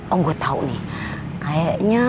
oh gue tau nih kayaknya